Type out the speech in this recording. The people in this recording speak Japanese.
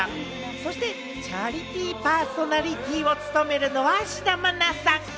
そしてチャリティーパーソナリティーを務めるのは、芦田愛菜さん。